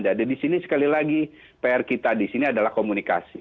jadi disini sekali lagi pr kita disini adalah komunikasi